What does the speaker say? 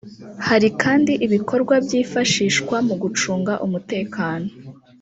Hari kandi ibikorwa byifashishwa mu gucunga umutekano